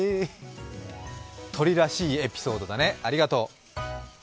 鳥らしいエピソードだね、ありがとう。